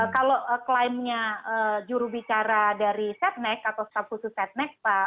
kalau klaimnya jurubicara dari setnek atau staf khusus setnek pak